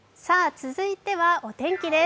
続いてはお天気です。